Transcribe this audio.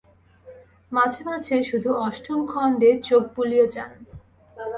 মাঝে-মাঝে শুধু অষ্টম খণ্ডে চোখ বুলিয়ে যান।